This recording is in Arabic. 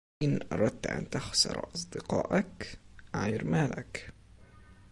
إن أردت أن تخسر أصدقاءك، أعِر مالك.